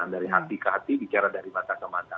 dari hati ke hati bicara dari mata ke mata